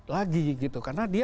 lagi gitu karena dia